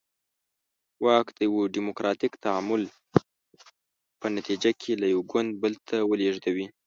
واک د یوه ډیموکراتیک تعامل په نتیجه کې له یو ګوند بل ته ولېږدوي.